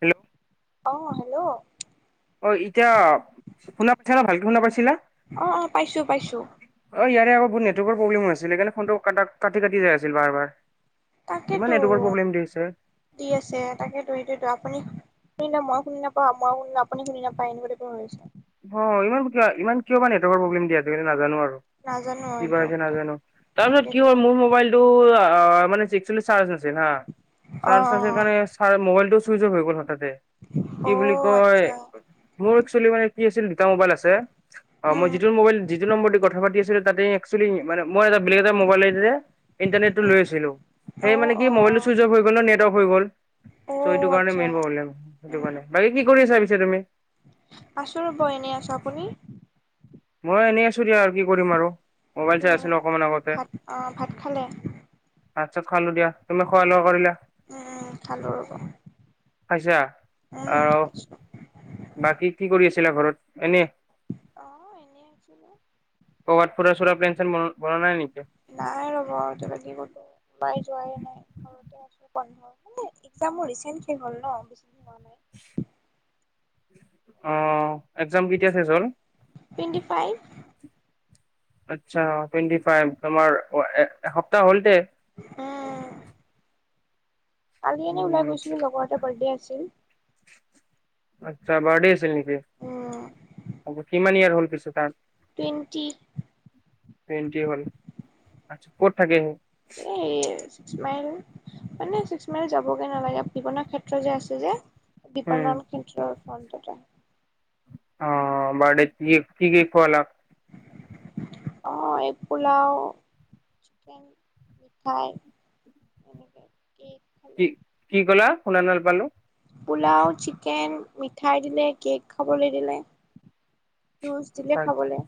Hello অ hello ফুনা পিঠা ভালকে ফুনা পাইছিলা অ অ পাইছো পাইছো অ ইয়াৰে আকৌ বহুত নেটৱৰ্কৰ প্ৰব্লেম হৈছিল সেইকাৰে ফোনটো কাটি কাটি যাই আছিল বাৰ বাৰ ইমান তাকেতো নেটৱৰ্কৰ প্ৰব্লেম দিছে দি আছে তাকেতো সেইটোতো আপুনি মই শুনি নাপাও মই শুনিলে আপুনি শুনি নাপায় এনেকোৱাই হৈ আছে অ ইমান ক ইমান কিয় বা নেটৱৰ্কৰ প্ৰব্লেম দিয়ে আজিকালি নাজানো আৰু নাজানো কি এইটো নাজানো তাৰ পিছত কি তাকেতো হয় মোৰ মবাইলটো অ মানে একচোৱেলি চাৰ্জ নাছিল হা চাৰ্জ নাছিল অঁ কাৰণে মোবাইলটো চুইচ অফ হৈ গ'ল কি অঁ বুলি অঁ কয় আচ্ছা মোৰ একচোৱেলি মানে কি আছিল দুটা মোবাইল আছে মই উম যিটো মোবাইল যিটো নম্বৰ দি কথা পাতি আছিলো তাতে একচোৱেলি মানে মই এটা বেলেগ এটা মোবাইল ইন্টাৰনেট টো উম লৈ আছিলো সেই অঁ মানে কি অঁ মবাইলটো অঁ চুইচ অফ হৈ গ'ল নে হৈ গ'ল চ' অঁ এইটো কাৰণে আচ্ছা মেইন প্ৰব্লেম উম সেইটো উম কাৰণে বাকী কি কৰি চাব পিছে তুমি হয় এনেই আছোঁ আপুনি? মই এনেই আছো দিয়া আৰু কি কৰিম আৰু। মোবাইল চাই উম আছিলো অকমান আগতে ভাত অঁ ভাত খালে ভাত ছাত খালো দিয়া,, তুমি খোৱা লোৱা কৰিলা উম খালো ৰবা পাইছা আ বাকী কি কৰি আছিলা ঘৰত এনে? অ কবাত ফুৰা চোৰা প্লেণ শ্লেন বনা নাই ৰব আৰু তোক কি ওলাই যোৱাই নাই ঘৰতে আছো পন্ধৰ মানে একযাম ৰিচেণ্টেলি হ'ল ন বেছি দিন হোৱা নাই। মুখ [unintelligible] অ একজাম কেতিয়া চেচ হল টুৱেণ্টি ফাইভ। আচ্ছা টুৱেণ্টি ফাইভ তোমাৰ এসপ্তাহ হৈছে আহ কালি এনে ওলাই উম, গৈছিলো লগৰ এটা বাৰ্থডে আছিল। আচ্ছা বাৰডে আছিল নেকি? উম আ কিমান ইয়াৰ হল পিছে তাত টুৱেণ্টি টুৱেন্টি হল, আচ্ছা ক'ত থাকে সি? এই চিক্স মাইল। মানে ছিক্স মাইল যাবগে নালাগে বিপণি ক্ষেত্ৰ যে আছে যে উম বিপণন কেন্ত্ৰ ফন্ততে অ বত কি কি খোৱা লা অ এই পোলাও,, মিঠাই এনেকে কেক খালো কি কি ক'লা শুনা নাপালো পোলাও, চিকেন, মিঠাই দিলে কেক খাবলৈ দিলে। জুচ দিলে খাবলৈ!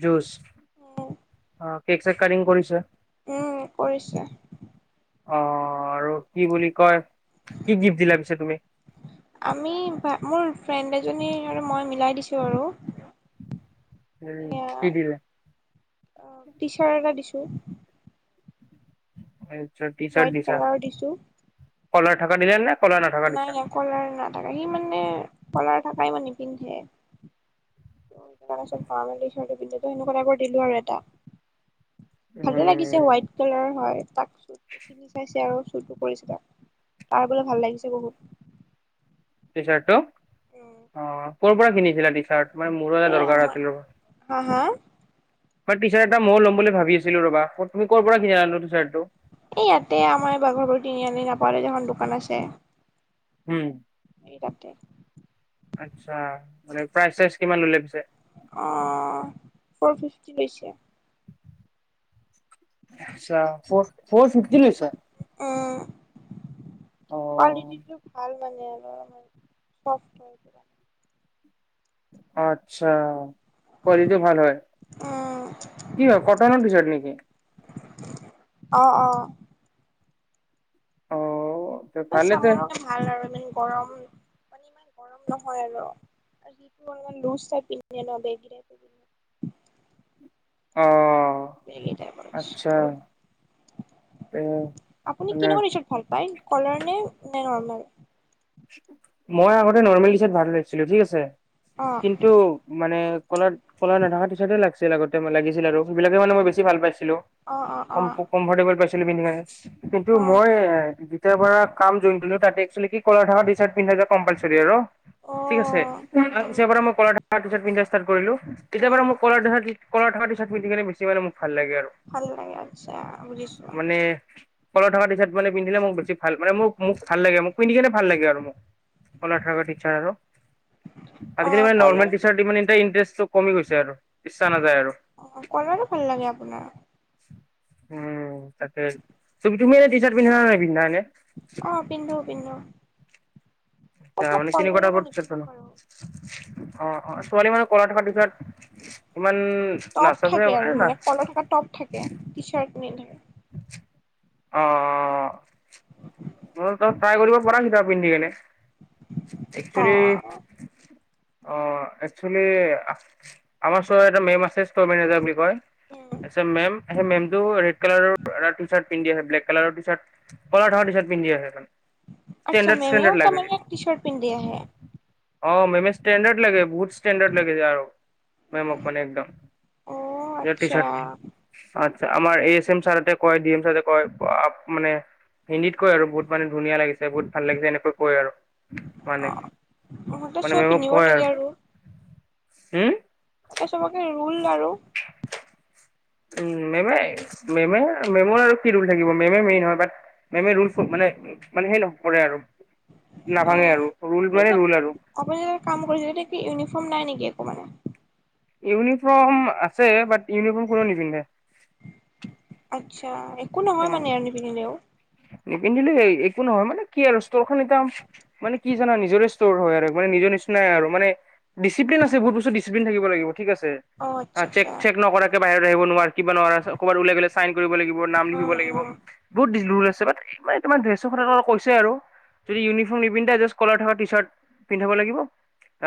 জুচ উম অ কেক চেক কিং কৰিছে কৰিছে অ আৰু কি বুলি কয় কি গিফ্ট দিলা পিছে তুমি? আমি মোৰ ফ্ৰেণ্ড এজনী মই মিলাই দিছো আৰু উম কি এয়া, দিলা টি চাৰ্ট এটা দিছো হয় হোৱাইট কালাৰৰ দিছোঁ কলাৰ থাকা দিলা নে? কলাৰ নথকা দিছা নাই নাই কলাৰ নাথাকে সি মানে কলাৰ থাকাই ইমাণ নিপিন্ধে। সেই কাৰণে চব ভ মেলি পিন্ধো সেনেকুৱা এাইবোৰ দিলো আৰু এটা। ভালে লাগিছে উম হোৱাইট কালাৰ হয়। তাক চুৰ কিনি চাইছে আৰু চুটো কৰিছিলা তাৰ বোলে ভাল লাগিছে বহুত টি চাৰ্টটো। উম। অ ক'ৰ পৰা কিনিছিলা টি চাৰ্ট মান মোৰো এটা এই দৰকাৰ আমাৰ আছিল হা হা মই টি চাৰ্ট এটা মইয়ো ল'ম বুলি ভাবিছিলো ৰবা, তুমি' পৰা কিনি আ টি ছাৰ্ট এ ইয়াতে আমাৰ বাঘৰবোৰ তিনি আনি নাপাওঁতে এখন দোকান আছে। উম এই তাতে আচ্ছা,, মানে প্ৰাইজ চাইজ কিমান ললে পিছে? অ ফৰ ফিফটি লৈছে আচ্ছা ফ ফৰ ফিফটি লৈছে? উম কোৱালিটিটো ভাল ন আত্ছা কোৱালিটোও ভাল হয় উম কি হয় কটনৰ টি চাৰ্ট নেকি অ অ অ তে ভালে তে চামৰ ভাল আৰু ইমান গৰম মানে ইমান গৰম নহয় আৰু টো লোচ থাকে ন পি বেগ অ বেগ এটা আচ্ছা কৰিছো তে আপুনি মানে কেনেকা ৰিচিভ ভাল পায় কলাৰ নে নে নৰ্মেল মই আগতে নৰ্মেল ডচাৰট ভাল লাগিছিলো ঠিক আছে অ কিন্তু মানে কলত কলা নথকা টি চাৰ্টে ভাল লাগিছিল আগতে লাগিছিল আৰু সেইবিলাকে মানে মই বেছি ভাল পাই ছিলো অ অ অ কম কমফৰটেবল পাইছিলো পিন্ধিবলে কিন্তু অ মই তেতিয়াৰ পৰা কাম জইন কৰিলো তাতে একচলি কি কৰে নৰ্মেল টি চাৰ্ট পিন্ধাটো কম্পালচৰী আৰু অ ঠিক আছে, তাৰ উম পিছৰ পৰা মই কলাৰ থকা টিচাৰ্ট পিন্ধা ষ্টাৰ্ত কৰিলো। তেতিয়াৰ উম পৰা মই কল- কলাৰ থকা টিচাৰ্ট পিন্ধি কিনে বেছি মানে মোক ভাল লাগে আৰু ভাল লাগে আচ্ছা বুজিছো মানে কলাৰ থকা টি চাৰ্ট মানে পিন্ধিলে মোক বেছি ভাল মানে মোক ভাল লাগ মোক পিন্ধি কেনে ভাল লাগে আৰু মোক কলাৰ থকা টিচাৰ্ট আৰু। অ আজিকালি মানে নৰ্মেল কলাৰ টি চাৰ্ট মানে এ ইন্টাৰেষ্টটো কমি গৈছে আৰু। ইচ্ছা নাযায় আৰু অ কলাৰো ভাল লাগে আপোনাৰ? উম তাকে তুমি তুমি এনে টি চাৰ্ট পিন্ধা নে নাই পিন্ধা এনে? অ পিন্ধু পিন্ধু। ত মানে কেনেকোৱা টাইপৰ টিচাৰ্ট বাৰু পছন হয় অ অ ছোৱালী মানে কলা থকা দিচাৰ, ইমান টপ নাচাছে থাকে আৰু না। মানে কলাৰ থকা টপ থাকে টি চাৰ্ট নিন্ধে অ। অ তই ট্ৰাই কৰিব পৰা ভিতৰত পিন্ধি কেনে অ একচলি অ একচুৱেলি আমাৰ চ এটা মেম আছে ষ্ট মেজাৰ বুলি কয় উম আচ্ছা মেম, এ মেমটো ৰেডকালাৰ এটা টি চাৰ্ট পিন্ধি আহে, ব্লেক কালাৰ টি চাৰ্ট কাৰ থ টি চাৰ্ট পিন্ধি আহে এটা, আচ্ছা ষ্টেণ্ডাৰ্ড মেমেও ষ্টেণ্ডাৰ্ড লাগে তে তাৰমানে টি চাৰ্ট পিন্ধি আহে - অ মেমে ষ্টেণ্ডাৰ্ড লাগে, বহুত ষ্টেডাৰড লাগে আৰু মেমক মানে একদম। অ টি আচ্ছা চাৰ্ট আ আমাৰ এ এছ এম ছাৰহতে কয়, ডি এম চাৰে কয় মানে হিন্দীত কয়, বহুত মানে ধুনীয়া লাগিছে, বহুত ভাল লাগিছে এনেকৈ কয় আৰু। মানে ইহঁতে মানে চব মেমক পিন্ধিব কয় আৰু লাগে হম এটা চবকে ৰোল আৰু। উ মেমে মেমে মেমৰ আৰু কি ৰোল থাকিব, মেমে মেইন হয় বাত মেমে ৰোল মানে মানে সেই নকৰে আৰু। অ নাভাঙে আৰু ৰোল আপুনি মানে এতিয়া ৰোল আৰু আপুনি যে কাম কৰিছে এতিয়া ইউনিফৰ্ম নাই নেকি? কি একো মানে। ইউনিফৰ্ম আছে বাট ইউনিফৰ্ম কোনে নিপিন্ধে। আচ্ছা, একো নহয় অ মানে আমি পিন্ধিলেও। নিপিন্ধিলে একো নহয়, মানে কি আৰু ষ্ট'ৰ খন এতিয়া মানে কি জানা নিজৰে ষ্ট'ৰ হয় আৰু মানে। নি নিচিনাই মানে ডিচিপ্লিন আছে, বহুত বস্তু ডিচপ্লিন থাকিব লাগিব। ঠিক আছে। অ আচ্ছা চেক আচ্ছা চেক নকৰাকে বাহিৰত আহিব নোৱাৰাৰে, কিবা নোৱাৰা বাত ওলাই গ'লে চাইন কৰিব লাগিব, নাম অ লিখিব অ লাগিব, বহুত আছে বাট মানে তাৰ ডেশ ফ কৈছে আৰু। যদি ইউনিফৰ্ম নিপিন্ধে জাষ্ট কলাৰ থকা টি চাৰ্ট পিন্ধিব লাগিব।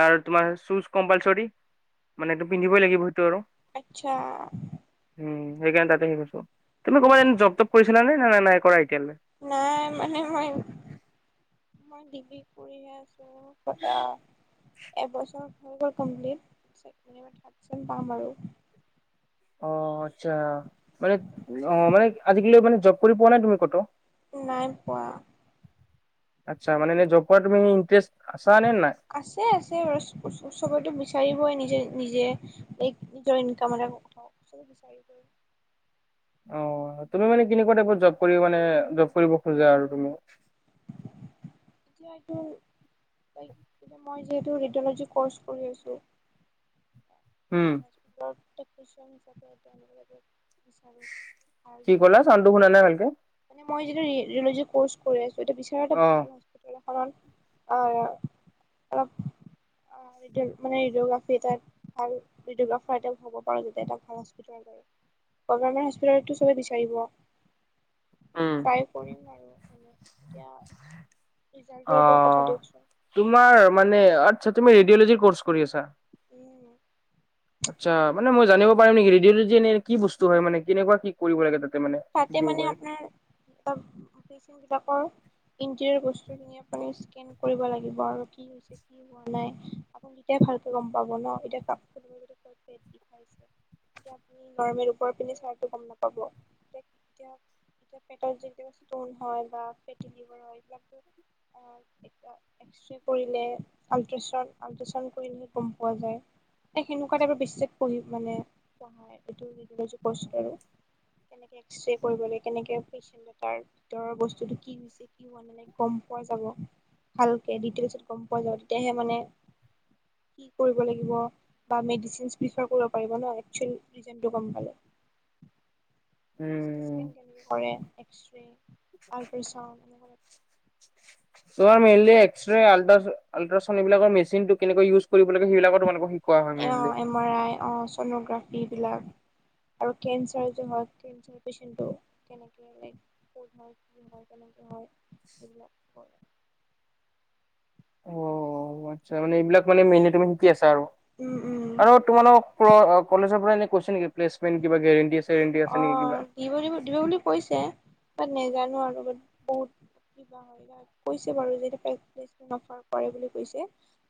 আৰু তোমাৰ চোজ কম্পালচৰি, মানে পিন্ধিবই লাগিব সেইটো আৰু। আতচ্ছা। উম, সেইকাৰণে তাতে সেই কৰিছো। তুমি কবাত জব টব কৰিছিলা নে নাই নাই নাই কৰাই একো নাই মানে মই মই ডিগ্ৰী কৰি হে আছো। ক [unintelligible] এবছৰ হৈ গল কমপ্লিট, থাৰ্ড চেম পাম আৰু। অ আচ্ছা, মানে অ মানে আজিকালি মানে জব কৰি পোৱা নাই তুমি কটো? নাই পোৱা। আচ্ছা মানে এনে জব কৰা তোৰ ইনট্ৰৰেছ আছে আছে চবৰেতো বিচাৰিবই নিজে। নিজে নিজৰ ইনকাম এ কথা বিচাৰ [unintelligible] অ তুমি মানে কেনেকুৱা টাইপত জব কৰি মানে জব কৰিব খোজা আৰু তুমি। এতিয়া এইটো তাই এ মই, [unintelligible] যিহেতু ৰেডিঅ'লজি কৰ্চ কৰি আছো, উম, কি ক'লা চাউণ্ডটো শুনা নাই ভালকে [unintelligible] মই যিটো ৰেডিঅ'লজি কৰ্চ কৰি আছোঁ। এইটো বিচাৰ এটা অ'। ভাল হস্পিটেল। হ'ব অ অ অলপ। [unintelligible] অ মানে ৰেডিঅ'গ্ৰাফি তাৰ ভাল ৰিডিঅ'গ্ৰাফাৰ এটা হ'ব পাৰোঁ যাতে এটা ভাল হস্পিটেলত আৰু গভৰমেণ্ট হস্পিটেলতো চবে বিচাৰিব। চাই কৰিম আৰু এনে এতিয়া। অ ৰিজাল্টৰ ওপৰত কথা দিয়কচোন তোমাৰ মানে আচ্ছা তুমি ৰেডিঅ'লজিৰ। কৰ্চ কৰি আছা। উম। আচ্ছা মান মই জানিব পাৰিম নেকি ৰেডিঅ'লজি, এনে কি বস্তু হয় মানে কেনেকুৱা কি কৰিব লাগে তাত। তাতে মানে আপোনাৰ অপাৰেছন বিলাকৰ। ইণ্টেৰিয়াৰ বস্তুখিনি আপুনি স্কেন। কৰিব লাগিব আৰু কি হৈছে কি হোৱা নাই, আপুনি এতিয়া ভালকে গম পাব ন এতিয়া কাপোৰ খুলিব যদি। পেট বিষাইছে এতিয়া আপুনি নৰমেল ওপৰত পিনে ছোৱাটো গম নাপাব। এতিয়া এতিয়া পেটত ষ্টন হয় বা ফেটিভাৰ হয় এইবিলাক। এক্সৰে কৰিলে আল্ট্ৰাচাউণ্ড আল্ট্ৰাচাউণ্ড কৰিলেহে গম পোৱা যায়। এ সেনেকুৱা টাইপৰ বিশ্ব পঢ়ি মানে পঢ়াই এইটো ৰেডিঅলজী কৰ্চটো আৰু। এক্সৰে কৰিবলে কেনেকৈ পেচেণ্ট এটাৰ তেওঁৰ, বস্তুটো কি হৈছে কি হোৱা ন নাই গম পোৱা যাব। ভালকে ডিটেইলছত গম পোৱা যাব তেতিয়াহে মানে। কৰিব লাগিব বা মেডিচিন প্ৰেফেৰ কৰিব পাৰিব একচুৱেল ৰিজেনটো গম পালে। [unintelligible] চিটি উম, স্কেন কেনেকে কৰে এক্সৰে আল্ট্ৰাচাউণ্ড এনেকুৱা টাইপৰ [unintelligible] চব মিলি আল্ট্ৰাচাউণ্ড আল্ট্ৰাচাউণ্ড এইবিলাকৰ মেচিনটো কেনেকৈ ইউজ। কৰিব লাগে সেইবিলাকো তোমালোকক শিকোৱা হয় অ মেইনলি। এম আৰ আই অঁ ছনোগ্ৰাফীবিলাক। আৰু কেঞ্চাৰ যে হয় কেঞ্চাৰ পেচেণ্টটো কেনেকৈ লাইক ক'ত হয় কি হয় কেনেকৈ হয়। এইবিলাক। অ আচ্ছা মানে এইবিলাক মানে মেনলি তুমি শিকি আছা ত আৰু, উম উম আৰু তোমালোকৰ কলেজৰ পৰা কৈছে নেকি প্লেচমেণ্ট কিবা গেৰেণ্টি আছে। চেৰেণ্টি অ নেকি কিবা? দিব দিব বুলি কৈছে বাট নাজানোঁ আৰু বহুত। গাহৰি গাত কৈছে বাৰু যদি প্লেচমেণ্ট অফাৰ পাই বুলি কৈছে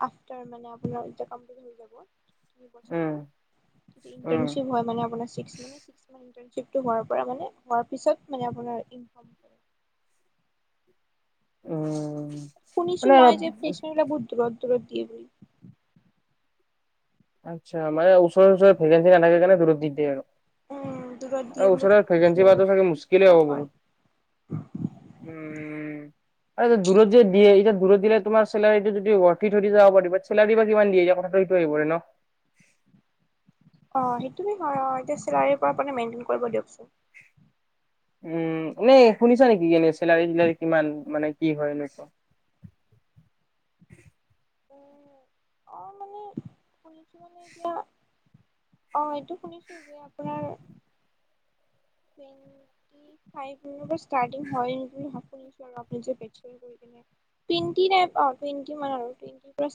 আফটাৰ আপোনাৰ। যে কমপ্লিট হৈ যাব এই উম, বছৰটো‌ তেতিয়া উম। ইণ্টাৰ্নছিপ হয় মানে ছিক্স মানে ছিক্স। ইণ্টাৰ্নশিপটো হোৱাৰ পৰা মানে হোৱাৰ পিছত মানে ইনকাম কৰে। উম। শুনিছোঁ মানে মই অলপ যে ফেচাৰচ বহুত দূৰৰত দূৰৰত দিয়ে বুলি। আচ্ছা মানে ওচৰে ওচৰে ঘৰৰ পৰা আনা জানা নেথাকে কাৰণে দূৰত দি দিয়ে উম দূৰত দিয়ে আৰু। বুলি ওচৰৰ শুনিছো ভেকেঞ্চি আৰু নাথাকিলে চাগে মুশকিলেই আৰু হয় বহুত। উম। আৰু এতিয়া দূৰত যে এতিয়া দূৰত দিলে তোমাৰ চেলাৰীটো যদি ওৰ্তি ৰখি থাকি‌ যায় বা চেলাৰী বা কিমান দিয়ে ইয়াৰ কথাষাৰ। সেইটো আহিপৰে ন। অ সেইটোৱে হয় অ এতিয়া চিলাৰীৰ পৰা মানে মেইনটেইন কৰিব দিয়কচোন। উম এ শুনিছা নেকি? এনে চেলাৰী টেলাৰী কিমান মানে কি হয় এনেকুৱা। অ মানে। শুনিছোঁ মানে এতিয়া। অ এইটো শুনিছোঁ যে আপোনাৰ। টুৱেন্টি ফাইভ পৰা ষ্টাৰ্টিং হয় নেকি সাফেৰলি আৰু বেছৰ কৰি কিনে। টুৱেন্টি আৰু টুৱেন্টি মান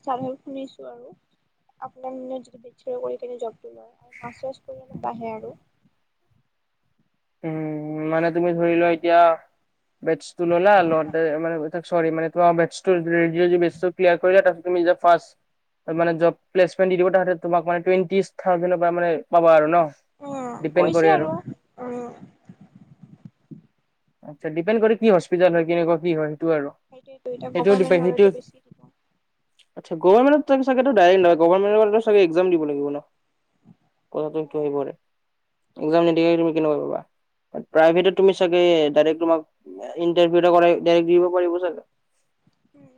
ষ্টাৰ্ট হয় শুনিছোঁ আৰু। আপোনাৰ বেছলৰ কৰি থাকে যবটো লৈ আৰু মাষ্টাৰ কৰিলে বাঢ়ে আৰু। উম মানে তুমি ধৰি লোৱা এতিয়া। বেছটো ললা লৈতে মানে ছৰি মানে তোমাৰ বেছটো ৰেডিঅলজী বিশ্ব পিয়া কৰিলা তাৰ পিছত তুমি। আদা ফাৰ্চ মানে জব প্লেচমেণ্ট দি দিব তাহতে তুমাক মানে টুৱেণ্টি থাউজেৰ পৰা মানে পাব আৰু ন? উম, ডিপেণ্ড কৰে কৈছে আৰু উম। আচ্ছা, ডিপেণ্ড কৰে কি হস্পিটেল হয় কেনেকুৱা কি হয়? আৰু সেইটোয়েটো এতিয়া সেইটো গভমেণ্ট ডিপেণ্ড সেইটো হলেতো বেছি। আচ্ছা গভাৰমেণ্ট টেনচক ডাইৰেক নহ গভৰমেণ্ট একজাম দিব লাগিব ন? কথাটো এইটো আহি পৰে একজাম নিদিয়াকৈ তুমি কেনেকৈ পাবা? প্ৰাইভেট তুমি চাগে ডাইৰেক্ তোমাক ইণ্টাৰভিউ এটা ডাইৰেক্ট দিব পাৰিব চাগে। উম,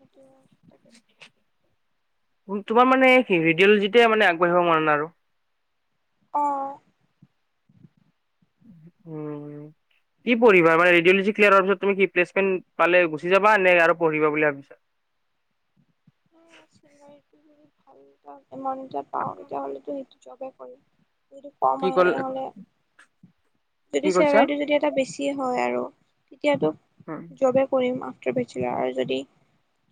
উম তাকে। তোমাৰ মানে ৰেডিঅ'লজিতে মানে আগবাঢ়িব মন আৰু? অ। উম, কি পঢ়িবা অঁ মানে ৰেডিঅলজি ক্লিয়াৰ পিছত তুমি কি প্লেচমেন্ট পালে গুচি যাবা নে আৰু পঢ়িবা বুলি ভাবিছা? ইমান এতিয়া পাওঁ তেতিয়াহ'লে সেইটো জবে কৰিম। যদি কম কি আহে কল হ'লে যদি কি কৈছা? চেলাৰিটো যদি এটা বেছি হয় আৰু তেতিয়াতো জবে কৰিম আহ। ট্ৰবছিলে আৰু যদি,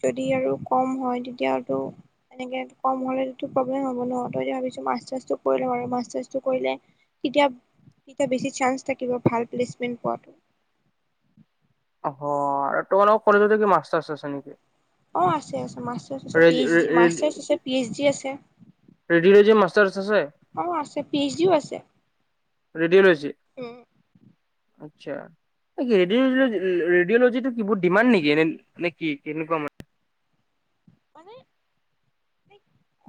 যদি আৰু কম হয় তেতিয়াটো তেনেক কম হ'লে প্ৰব্লেম হ'ব ন তই ভাবিছ মাছ চাছটো কৰি ল' আৰু মাছ চাছটো কৰিলে তেতিয়া, তেতিয়া বেছি চান্স থাকিব ভাল প্লেচমেণ্ট পোৱাটো। অ, তোমালোকৰ কলেজতে কি মাষ্টাৰ আছে নেকি? মাষ্টাৰ আছে পি এইচ ডি মাষ্টাৰ্ছ আছে পি এইচ ডি আছে। ৰেডিঅ'লজি মাষ্টাৰ্ছ আছে অ, আছে পি এইচ ডিও আছে। ৰেডিঅলজি, উম আচ্ছা। ন কি ৰেডঅ, ৰেডিঅ'লজিটো কি বহুত ডিমাণ্ড নেকি এনে নে কি কেনেকুৱা মানে? মানে,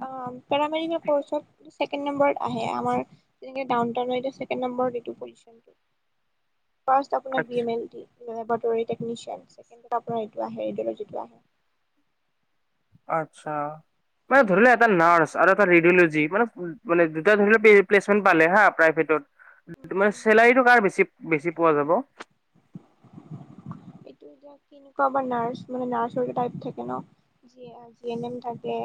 অ পেড়া মেৰি কৰচত চেকেন নম্বৰতে আমাৰ যেনেকে ডাউনটাউন এতিয়া চেকেন নম্বৰ। [unintelligible] ফাৰ্চ আপোনাৰ ডি আচ্ছা এন টি [unintelligible] আত্ছা। মানে ধৰি লোৱা এটা নাৰ্চ আৰু এটা ৰেডিঅ'লজি মানে মানে দুটা ধৰি প্লেচমেন্ট পালে হা প্ৰাইভেটত তোমাৰ চেলাৰীটো কাৰ বেছি বেছি পোৱা যাব? তোৰনো এতিয়া কিনো কৰাব নাৰ্ছ মানে নাৰ্ছৰ টাইপ থাকে ন। জি এন এম থাকে।